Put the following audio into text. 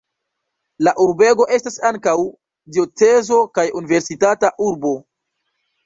La urbego estas ankaŭ diocezo kaj universitata urbo.